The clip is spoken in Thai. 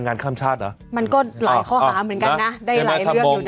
อ้าวได้หลายเรื่องอยู่นะ